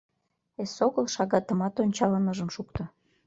Эсогыл шагатымат ончалын ыжым шукто.